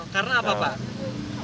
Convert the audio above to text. karena apa pak